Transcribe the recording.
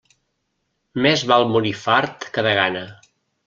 Més val morir fart que de gana.